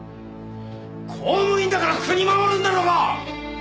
公務員だから国守るんだろうが！